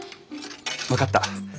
分かった。